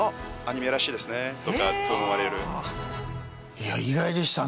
いや意外でしたね。